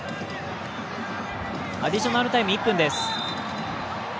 アディショナルタイム、１分です。